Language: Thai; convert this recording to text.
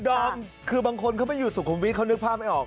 ก็คือบางคนไปอยู่สุขุมวิทเขานึกภาพไม่ออก